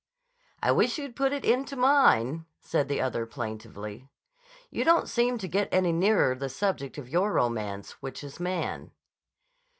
"I wish you'd put it; into mine," said the other plaintively. "You don't seem to get any nearer the subject of your romance, which is Man."